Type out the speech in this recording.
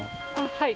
はい。